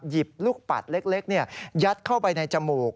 หยิบลูกปัดเล็กยัดเข้าไปในจมูก